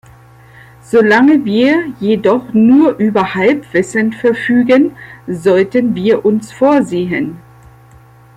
Solange wir jedoch nur über Halbwissen verfügen, sollten wir uns vorsehen.